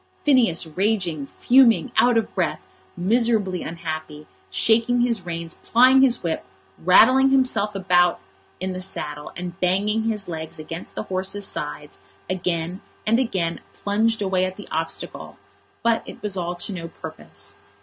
Phineas raging, fuming, out of breath, miserably unhappy, shaking his reins, plying his whip, rattling himself about in the saddle, and banging his legs against the horse's sides, again and again plunged away at the obstacle. But it was all to no purpose.